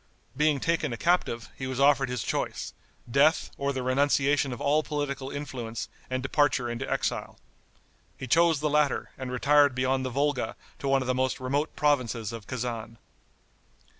Being taken a captive, he was offered his choice, death, or the renunciation of all political influence and departure into exile. He chose the latter, and retired beyond the Volga to one of the most remote provinces of Kezan.